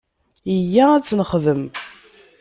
Iyya ad tt-nexdem!